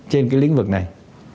trên cái lĩnh vực này